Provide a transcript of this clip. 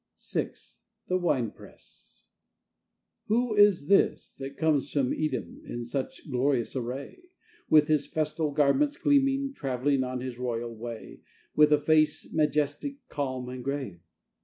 VI. THE WINE PRESSWho is this that comes from EdomIn such glorious array, With his festal garments gleaming, Travelling on his royal wayWith a face majestic, calm and grave?